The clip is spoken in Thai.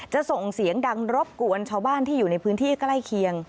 ส่งเสียงดังรบกวนชาวบ้านที่อยู่ในพื้นที่ใกล้เคียง